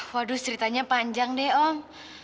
waduh ceritanya panjang deh om